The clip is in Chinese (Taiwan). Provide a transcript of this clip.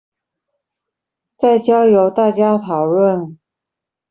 再交由大家討論